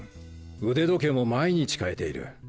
腕時計も毎日替えている。